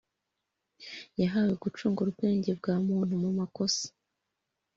yahawe gucungura ubwenge bwa muntu mu makosa,